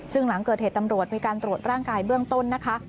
ซึ่งหลังเกิดเหตุตำรวจมีการตรวจร่างกายเบื้องต้นนะคะ